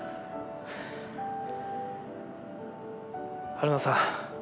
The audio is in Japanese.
春名さん。